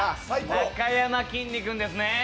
なかやまきんに君ですね。